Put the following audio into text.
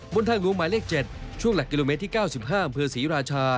บนทางหลวงหมายเลข๗ช่วงหลักกิโลเมตรที่๙๕อำเภอศรีราชา